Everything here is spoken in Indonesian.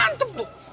cakep juga tuh dong